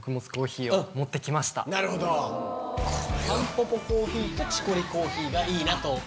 たんぽぽコーヒーとチコリコーヒーがいいと思った。